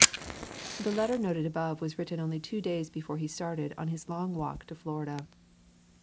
The letter noted above was written only two days before he started on his long walk to Florida.